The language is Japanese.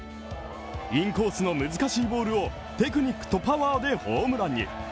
インコースの難しいボールをテクニックとパワーでホームランに。